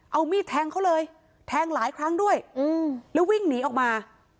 เอามีดแทงเขาเลยแทงหลายครั้งด้วยแล้ววิ่งหนีออกมา